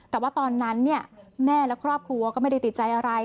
แต่ว่าตอนนั้นแม่และครอบครัวก็ไม่ได้ติดใจอะไร